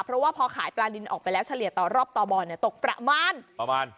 เพราะว่าพอขายปลาลินออกไปแล้วเฉลี่ยต่อรอบต่อบอลเนี่ยตกประมาณประมาณ